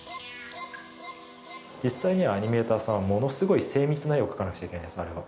実際にはアニメーターさんはものすごい精密な絵を描かなくちゃいけないんですあれは。